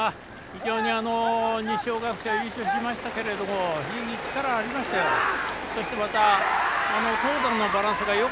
非常に、二松学舎優勝しましたけれど非常に力ありましたよ。